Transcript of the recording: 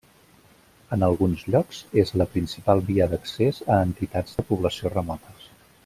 En alguns llocs és la principal via d'accés a entitats de població remotes.